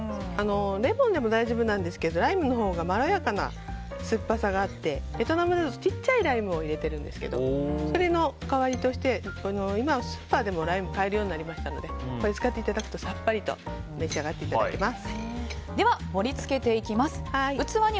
ベトナム風さわやかさをレモンでも大丈夫なんですがライムのほうがまろやかな酸っぱさがあってベトナムだと小さいライムを入れてるんですがそれの代わりとして今はスーパーでもライムが買えるようになりましたので使っていただくとサッパリと召し上がっていただけます。